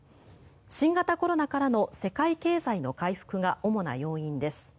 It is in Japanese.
新型コロナからの世界経済の回復が主な要因です。